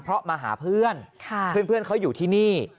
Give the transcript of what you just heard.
เพราะมาหาเพื่อนเพื่อนเขาอยู่ที่นี่